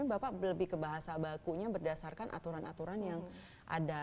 bapak lebih ke bahasa bakunya berdasarkan aturan aturan yang ada